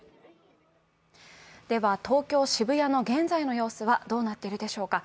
では東京・渋谷の現在の様子はどうなっているでしょうか。